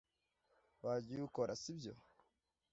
Wagiye ukora, sibyo?